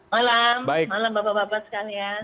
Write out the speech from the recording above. malam malam bapak bapak sekalian